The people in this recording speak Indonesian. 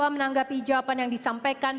menanggapi jawaban yang disampaikan